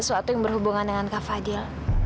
dan sesuatu yang berhubungan dengan kak fadil